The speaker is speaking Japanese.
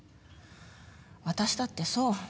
私だって、そう。